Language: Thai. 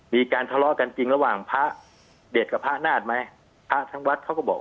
มีการทะเลาะกันจริงระหว่างพระเด็กกับพระนาฏไหมพระทั้งวัดเขาก็บอก